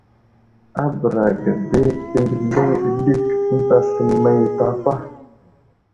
A bəra ge di təmbəliŋ ɓəlik ənta sləmay i tapa.